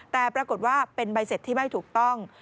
แต่ปรากฏว่าเป็นใบเสร็จที่ไม่ถูกต้อง